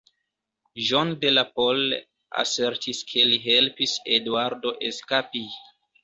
John de la Pole asertis ke li helpis Eduardo eskapi.